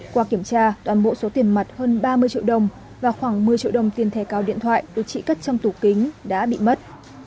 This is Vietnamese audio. qua kiểm tra toàn bộ số tiền mặt hơn ba mươi triệu đồng và khoảng một mươi triệu đồng tiền thẻ cao điện thoại được trị cất trong tủ kính đã bị mất